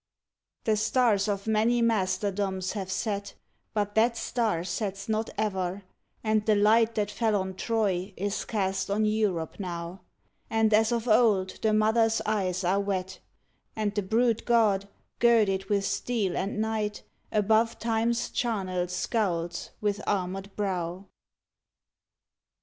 The stars of many masterdoms have set, But that star sets not ever, and the light That fell on Troy is cast on Europe now; And as of old the mothers eyes are wet, And the brute god, girded with steel and night, Above Time s charnel scowls with armored brow.